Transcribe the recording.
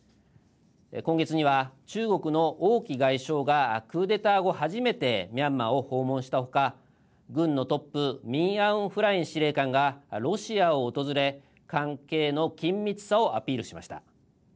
今月には、中国の王毅外相がクーデター後初めてミャンマーを訪問したほか軍のトップミン・アウン・フライン司令官がロシアを訪れ関係の緊密さをアピールしました。